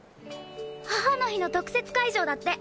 母の日の特設会場だって！